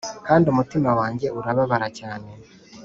kandi umutima wanjye urababara cyane--